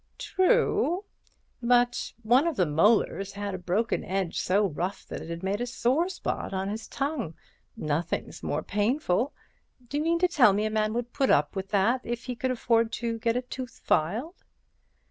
"True; but one of the molars has a broken edge so rough that it had made a sore place on the tongue. Nothing's more painful. D'you mean to tell me a man would put up with that if he could afford to get the tooth filed?"